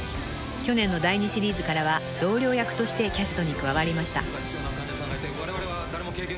［去年の第２シリーズからは同僚役としてキャストに加わりました］